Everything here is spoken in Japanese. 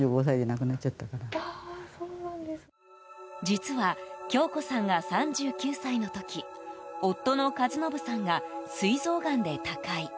実は、京子さんが３９歳の時夫の和信さんがすい臓がんで他界。